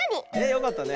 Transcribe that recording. よかったね。